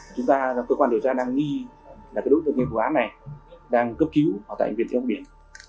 chúng ta cơ quan điều tra đang nghi là đối tượng nghiên cứu án này đang cấp cứu tại bệnh viện thiên úc biển